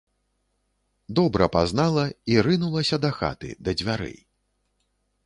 Добра пазнала і рынулася да хаты, да дзвярэй.